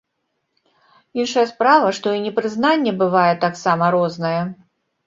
Іншая справа што і непрызнанне бывае таксама рознае.